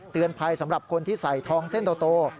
ภัยสำหรับคนที่ใส่ทองเส้นโต